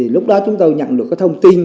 lúc đó chúng tôi nhận được thông tin